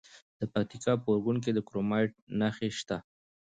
د پکتیکا په اورګون کې د کرومایټ نښې شته.